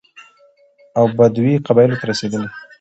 او بدوي قبايلو ته رسېدلى،